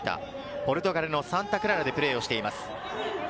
ポルトガルのサンタ・クララでプレーをしています。